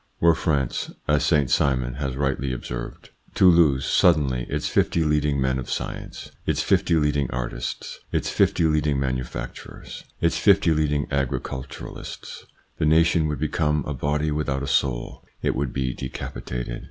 "Were France, as Saint Simon has rightly observed, to lose suddenly its fifty leading men of science, its fifty leading artists, its fifty leading manufacturers, its fifty leading agriculturists, the nation would become a body without a soul, it would be decapitated.